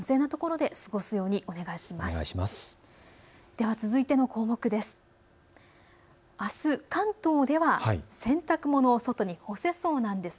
では続いての項目です。